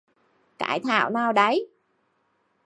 cái thảo nào đấy